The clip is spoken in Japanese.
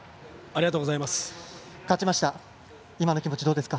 ありがとうございます。